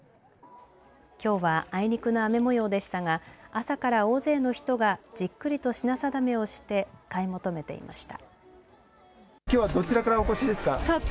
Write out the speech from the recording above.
きょうは、あいにくの雨もようでしたが朝から大勢の人がじっくりと品定めをして買い求めていました。